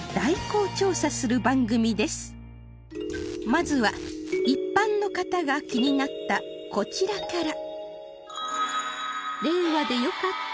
まずは一般の方が気になったこちらから